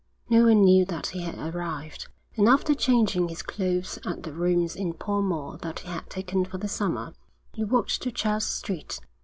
No one knew that he had arrived, and after changing his clothes at the rooms in Pall Mall that he had taken for the summer, he walked to Charles Street.